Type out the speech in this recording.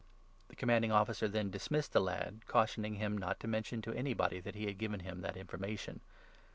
The Commanding Officer then dismissed the lad, cautioning 22 him not to mention to anybody that he had given him that information.